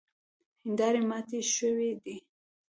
هیندارې ماتې شوې دي.